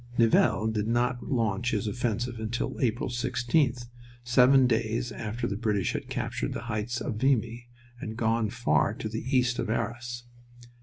Nivelle did not launch his offensive until April 16th, seven days after the British had captured the heights of Vimy and gone far to the east of Arras.